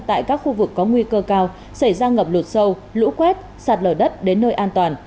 tại các khu vực có nguy cơ cao xảy ra ngập lụt sâu lũ quét sạt lở đất đến nơi an toàn